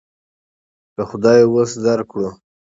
که خدای وس درکړو.